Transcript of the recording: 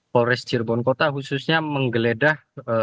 polres cirebon kota khususnya menggeledah